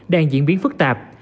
đang diễn biến phức tạp